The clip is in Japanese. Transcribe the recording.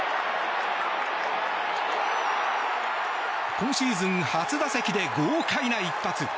今シーズン初打席で豪快な一発。